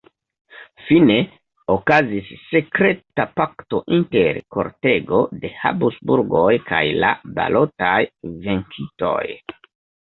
Fine okazis sekreta pakto inter kortego de Habsburgoj kaj la balotaj venkintoj.